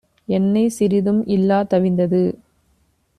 எண்ணெய் சிறிதும் இல்லா தவிந்தது.